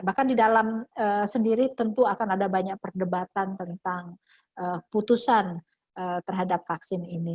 bahkan di dalam sendiri tentu akan ada banyak perdebatan tentang putusan terhadap vaksin ini